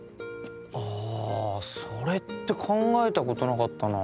あぁそれって考えたことなかったな。